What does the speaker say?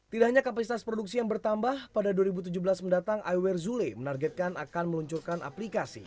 tidak hanya kapasitas produksi yang bertambah pada dua ribu tujuh belas mendatang iwer zule menargetkan akan meluncurkan aplikasi